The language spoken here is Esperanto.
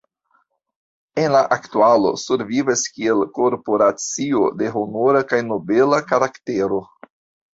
En la aktualo survivas kiel korporacio de honora kaj nobela karaktero.